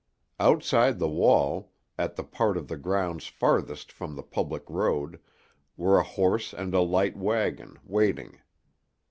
Outside the wall, at the part of the grounds farthest from the public road, were a horse and a light wagon, waiting.